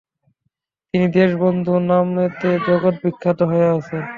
তিনি "দেশবন্ধু" নামেতে জগৎ বিখ্যাত হয়ে আছেন।